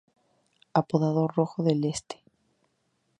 Apodado Rojo del Este.